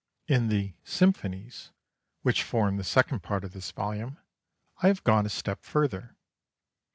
In the "Symphonies," which form the second part of this volume, I have gone a step further.